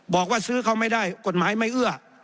บอกว่าซื้อเขาไม่ได้กฎหมายไม่เอื้อ